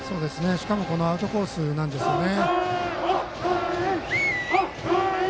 しかもアウトコースなんですよね。